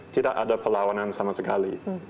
tidak ada perlawanan sama sekali